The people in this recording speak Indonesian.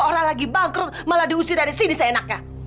orang lagi bangkrut malah diusir dari sini seenaknya